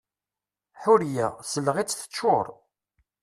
Ḥuriya, sseleɣ-itt teččuṛ!